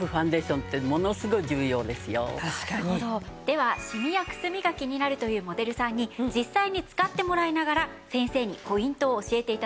ではシミやくすみが気になるというモデルさんに実際に使ってもらいながら先生にポイントを教えて頂きましょう。